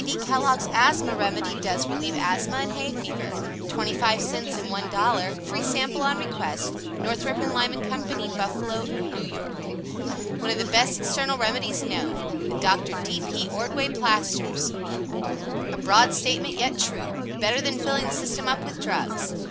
D. Kellogg's Asthma Remedy DOES RELIEVE Asthma and Hay Fever 25 CENTS AND ONE DOLLAR Free Sample on Request NORTHROP & LYMAN CO., Inc. Buffalo, N. Y. One of the Best External Remedies Known The Dr. D. P. Ordway Plasters A broad statement, yet true. Better than filling the system up with drugs.